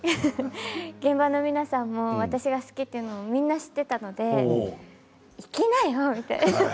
現場の皆さんも私が好きというのをみんな知っていたのでいきなよって。